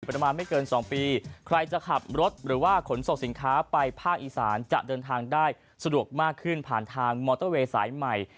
ประมาณไม่เกินสองปีใครจะขับรถหรือว่าขนส่งสินค้าไปภาคอีสานจะเดินทางได้สะดวกมากขึ้นผ่านทางมอเตอร์เวย์สายใหม่